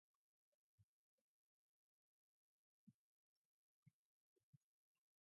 During this period the trio also contributed, using pseudonyms, to the Standard Music Library.